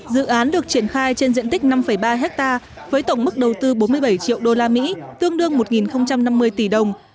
dự án được triển khai trên diện tích năm ba hectare với tổng mức đầu tư bốn mươi bảy triệu usd tương đương một năm mươi tỷ đồng